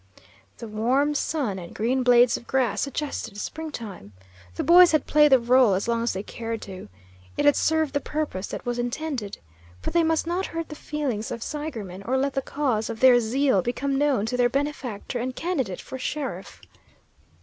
The warm sun and green blades of grass suggested springtime. The boys had played the rôle as long as they cared to. It had served the purpose that was intended. But they must not hurt the feelings of Seigerman, or let the cause of their zeal become known to their benefactor and candidate for sheriff.